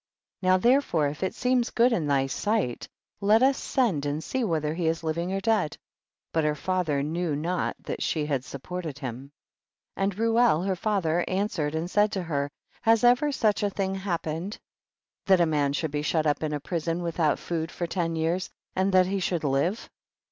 30. Now therefore, if it seem ffood m thy sight, let us send and see whether he is living or dead, but her father knew not that she had support ed him. 31. And Reuel her father answer ed and said to her, has ever such a thing happened that a man should be * Adikam. shut up in a prison without food for ten years, and that he should live